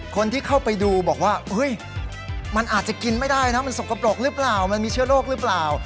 คนที่เข้าไปดูบอกว่ามันอาจจะกินไม่ได้นะมันสกปรกหรือเปล่ามันมีเชื้อโรคหรือเปล่า